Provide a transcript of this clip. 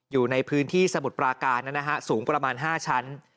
อยู่ในพื้นที่สมุทรปราการนะฮะสูงประมาณ๕ชั้น